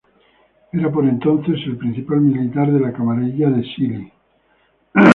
Era por entonces el principal militar de la camarilla de Zhili.